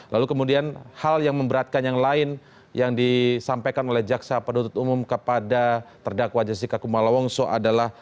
lalu kemudian hal yang memberatkan yang lain yang disampaikan oleh jaksa penuntut umum kepada terdakwa jessica kumala wongso adalah